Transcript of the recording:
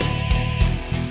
saya yang menang